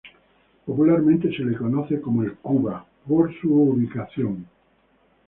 Popularmente se lo conoce como "el Cuba" por su ubicación.